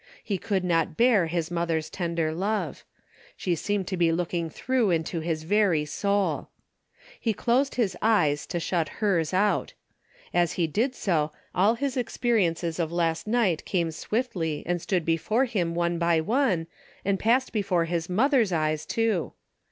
He could not bear his mother's tender love. She seemed to be looking through into his very soul. He closed his eyes to shut hers out. As he did so, all his experiences of last night came swiftly and stood before him one by one, and passed before his mother's eyes too.